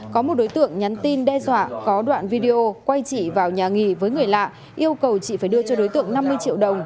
có một đối tượng nhắn tin đe dọa có đoạn video quay chị vào nhà nghỉ với người lạ yêu cầu chị phải đưa cho đối tượng năm mươi triệu đồng